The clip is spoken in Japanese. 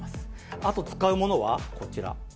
あと使うものはこちら。